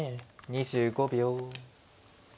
２５秒。